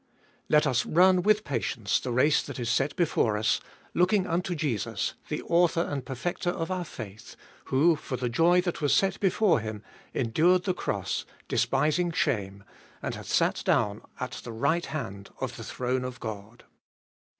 — 2. Let us run with, patience the race that is set before us, looking unto Jesus the author1 and perfecter of our faith, who for the joy that was set before Him endured the cross, despising shame, and hath sat down at the right hand of the throne of God.